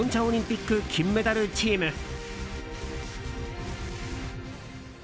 オリンピック金メダルチーム。